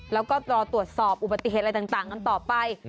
แล้วก็รอตรวจสอบอุบัติเหตุอะไรต่างกันต่อไป